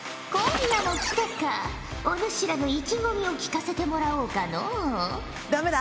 お主らの意気込みを聞かせてもらおうかのう？